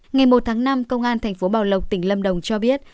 ngày một tháng năm công an tp bảo lộc tỉnh lâm đồng cho biết